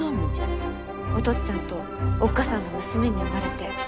お父っつぁんとおっ母さんの娘に生まれて本当に幸せでした！